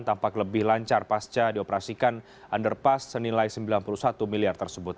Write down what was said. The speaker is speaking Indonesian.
tampak lebih lancar pasca dioperasikan underpass senilai sembilan puluh satu miliar tersebut